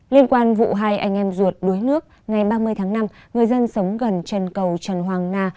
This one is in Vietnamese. liên quan vụ hai anh em ruột đuối nước ngày ba mươi tháng năm người dân sống gần chân cầu trần hoàng na